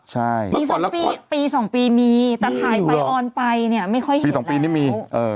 ใช่มันก่อนละครปีสองปีมีมีอยู่หรอ